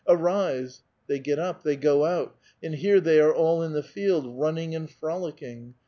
" Arise !" They get up, they go out, and here they all are in the field, run ning and frolicking.